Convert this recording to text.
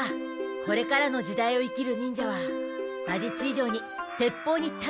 これからの時代を生きる忍者は馬術以上に鉄砲にたけてなくちゃね。